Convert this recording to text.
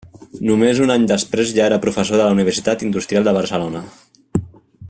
Només un any després ja era professor de la Universitat Industrial de Barcelona.